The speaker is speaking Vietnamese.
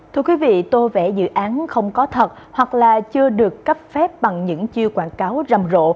thưa quý vị tô vẽ dự án không có thật hoặc là chưa được cấp phép bằng những chiêu quảng cáo rầm rộ